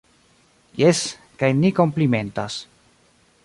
Jes, kaj ni komplimentas.